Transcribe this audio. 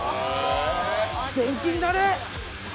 電気になれ！